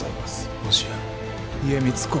もしや家光公は。